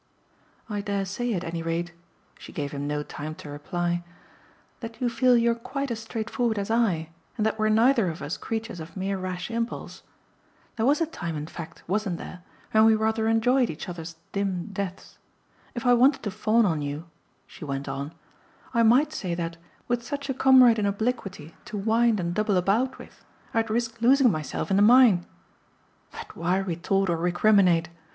I dare say at any rate" she gave him no time to reply "that you feel you're quite as straightforward as I and that we're neither of us creatures of mere rash impulse. There was a time in fact, wasn't there? when we rather enjoyed each other's dim depths. If I wanted to fawn on you," she went on, "I might say that, with such a comrade in obliquity to wind and double about with, I'd risk losing myself in the mine. But why retort or recriminate?